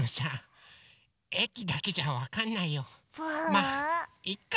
まいっか！